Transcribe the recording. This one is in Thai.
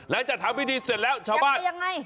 จะทำพิธีเสร็จแล้วชาวบ้านยังไง